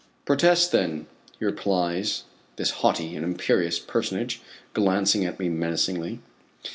"Protest, then," replies this haughty and imperious personage, glancing at me menacingly.